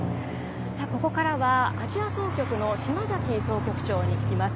ここからは、アジア総局の島崎総局長に聞きます。